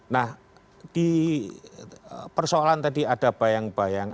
nah di persoalan tadi ada bayang bayang